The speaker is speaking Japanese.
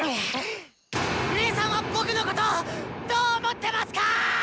姐さんは僕のことッどう思ってますかぁッ